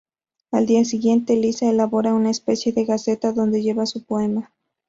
Al día siguiente, Lisa elabora una especie de gaceta donde lleva su poema.